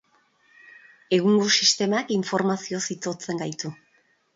Egungo sistemak informazioz itotzen gaitu.